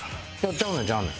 ちゃうねんちゃうねん。